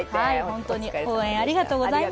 本当に応援ありがとうございます。